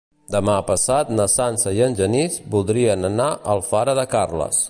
Demà passat na Sança i en Genís voldrien anar a Alfara de Carles.